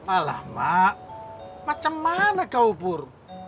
alah mak macam mana kau pur